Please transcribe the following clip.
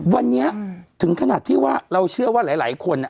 วันนี้ถึงขนาดที่ว่าเราเชื่อว่าหลายคน